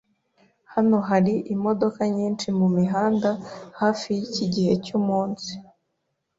Hano hari imodoka nyinshi mumihanda hafi yiki gihe cyumunsi.